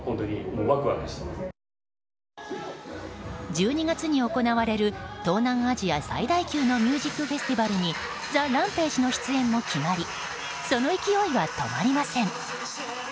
１２月に行われる東南アジア最大級のミュージックフェスティバルにＴＨＥＲＡＭＰＡＧＥの出演も決まりその勢いは止まりません。